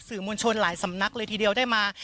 มวลชนหลายสำนักเลยทีเดียวได้มา